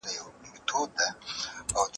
انسان بايد خپل عزت په خبرو کي وساتي.